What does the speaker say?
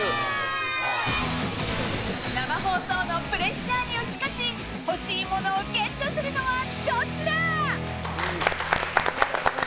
生放送のプレッシャーに打ち勝ち欲しいものをゲットするのはどっちだ？